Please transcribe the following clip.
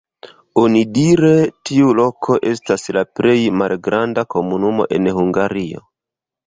Onidire tiu loko estas la plej malgranda komunumo en Hungario.